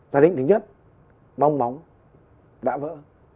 giả định thứ nhất bong bóng đã vỡ